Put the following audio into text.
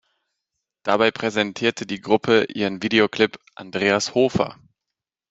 Dabei präsentierte die Gruppe ihren Videoclip "Andreas Hofer".